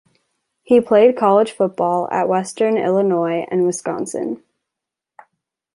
He played college football at Western Illinois and Wisconsin.